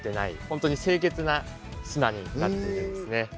本当に清潔な砂になっているんですね。